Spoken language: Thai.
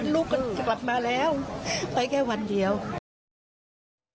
ลูกก็กลับมาแล้วไปแค่วันเดียว